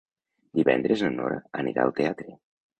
Divendres na Nora anirà al teatre.